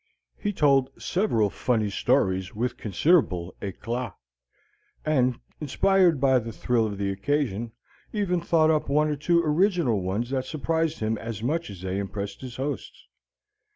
He told several funny stories with considerable éclat; and inspired by the thrill of the occasion, even thought up one or two original ones that surprised him as much as they impressed his hosts.